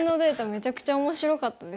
めちゃくちゃ面白かったですね。